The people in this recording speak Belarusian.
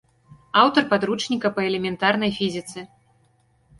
Аўтар падручніка па элементарнай фізіцы.